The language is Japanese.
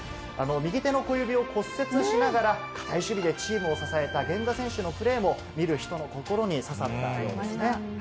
右手の小指を骨折しながら、堅い守備でチームを支えた源田選手のプレーも、見る人の心に刺さったようですね。